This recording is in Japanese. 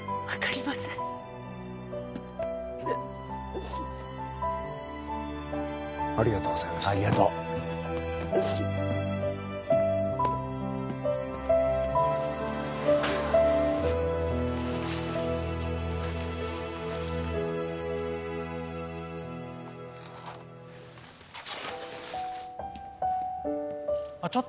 ありがとうあっ